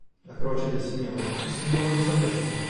La Croce del Signore è simbolo di salvezza.